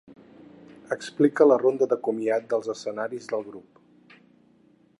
Explica la ronda de comiat dels escenaris del grup.